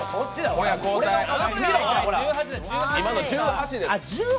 今のは１８です。